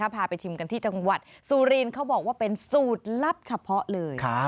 พาไปชิมกันที่จังหวัดสุรินเขาบอกว่าเป็นสูตรลับเฉพาะเลย